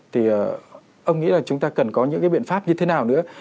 thì ông nghĩ là chúng ta cần có những cái biện pháp như thế nào nữa